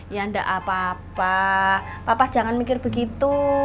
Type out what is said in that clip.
ya enggak apa apa papa jangan mikir begitu